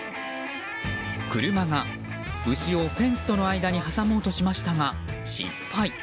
車が牛をフェンスとの間に挟もうとしましたが失敗。